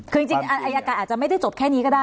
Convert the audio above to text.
คือจริงอายการอาจจะไม่ได้จบแค่นี้ก็ได้